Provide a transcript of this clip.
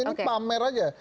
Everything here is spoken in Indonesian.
ini pamer aja